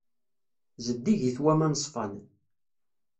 Zeddigit waman ṣṣfan.